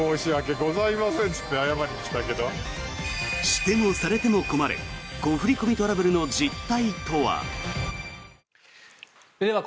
しても、されても困る誤振り込みトラブルの実態とは。